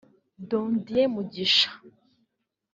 Don Dieu Mugisha